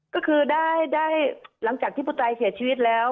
ก็คือได้หลังจากที่ผู้ตายเสียชีวิตแล้ว